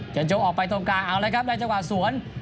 จัดโจงออกไปตรงกลางอ่าวแล้วน่าจังหวะสวน